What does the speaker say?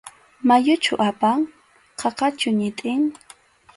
¿Mayuchu apan?, ¿qaqachu ñitin?